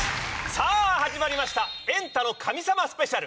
さぁ始まりました『エンタの神様』スペシャル。